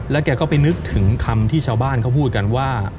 แกก็ไปนึกถึงคำที่ชาวบ้านเขาพูดกันว่า